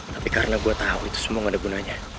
tapi karena gue tau itu semua gak ada gunanya